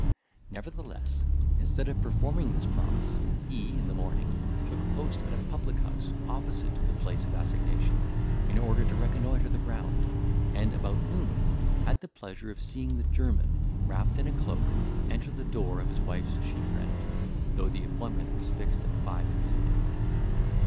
Nevertheless, instead of performing this promise, he, in the morning, took post in a public house opposite to the place of assignation, in order to reconnoitre the ground, and about noon had the pleasure of seeing the German, wrapped in a cloak, enter the door of his wife's she friend, though the appointment was fixed at five in the evening.